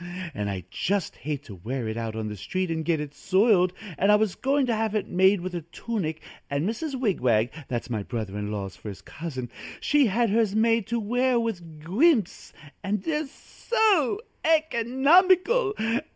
and I just hate to wear it out on the street and get it soiled, and I was going to have it made with a tunic, and Mrs. Wigwag that's my brother in law's first cousin she had her's made to wear with guimpes and they are so economical!